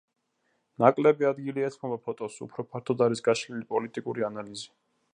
ნაკლები ადგილი ეთმობა ფოტოს, უფრო ფართოდ არის გაშლილი პოლიტიკური ანალიზი.